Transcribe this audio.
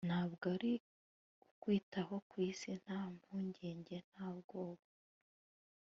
ntabwo ari ukwitaho kwisi, nta mpungenge, nta bwoba